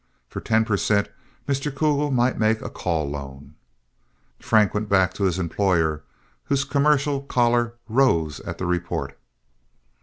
For ten per cent. Mr. Kugel might make a call loan. Frank went back to his employer, whose commercial choler rose at the report.